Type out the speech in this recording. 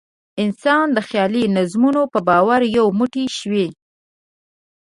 انسان د خیالي نظامونو په باور یو موټی شوی.